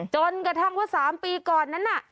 จนกระทั่งว่า๓ปีก่อนนั้นน่ะ